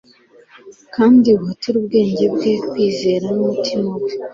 kandi uhatire ubwenge bwe kwizera n'umutima we